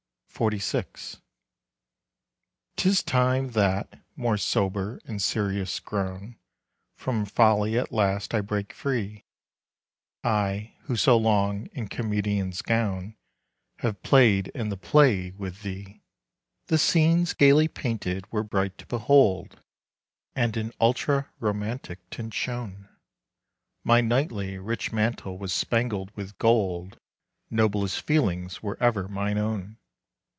XLVI. 'Tis time that, more sober and serious grown, From folly at last I break free. I, who so long in comedian's gown, Have played in the play with thee. The scenes gaily painted were bright to behold, And in ultra romantic tints shone. My knightly, rich mantle was spangled with gold; Noblest feelings were ever mine own.